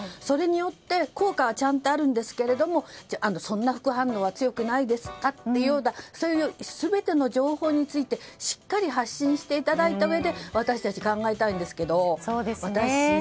それによって効果はちゃんとあるんですけどそんな副反応は強くないですかというような全ての情報について、しっかり発信していただいたうえで私たち考えたいんですけど。